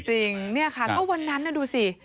จริงเนี่ยค่ะก็วันนั้นน่ะดูสิ